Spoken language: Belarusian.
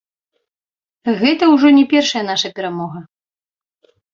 Гэта ўжо не першая наша перамога.